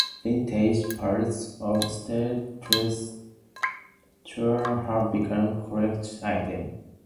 Vintage pairs of Sta-Prest trousers have become collector's items.